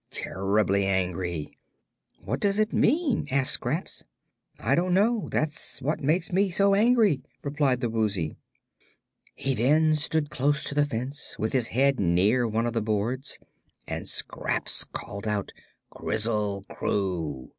"Terribly angry." "What does it mean?" asked Scraps. "I don't know; that's what makes me so angry," replied the Woozy. He then stood close to the fence, with his head near one of the boards, and Scraps called out "Krizzle Kroo!"